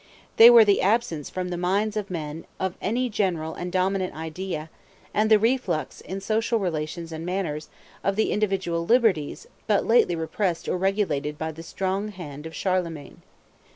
They were the absence from the minds of men of any general and dominant idea; and the reflux, in social relations and manners, of the individual liberties but lately repressed or regulated by the strong hand of Charlemagne.